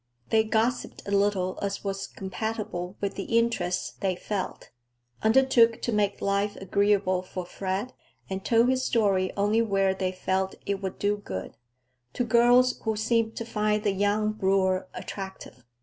They gossiped as little as was compatible with the interest they felt, undertook to make life agreeable for Fred, and told his story only where they felt it would do good: to girls who seemed to find the young brewer attractive.